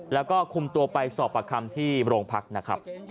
แล้วก็คุมตัวไปสอบประคำที่โรงพักนะครับ